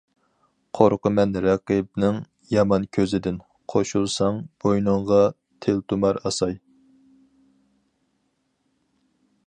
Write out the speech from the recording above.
قورقىمەن رەقىبنىڭ يامان كۆزىدىن، قوشۇلساڭ بوينۇڭغا تىلتۇمار ئاساي.